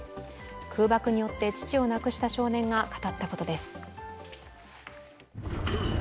空爆によって父を亡くした少年が語ったことです。